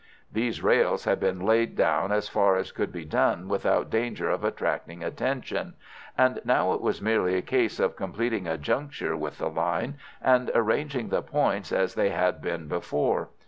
These rails had been laid down as far as could be done without danger of attracting attention, and now it was merely a case of completing a juncture with the line, and arranging the points as they had been before.